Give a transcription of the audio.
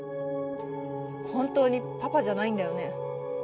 本当にパパじゃないんだよね？